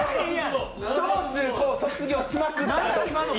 小中高、卒業しまくった。